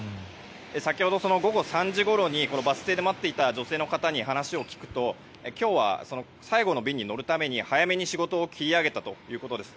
先ほどその午後３時ごろにバス停で待っていた女性の方に話を聞くと今日は最後の便祈るために早めに仕事を切り上げたそうです。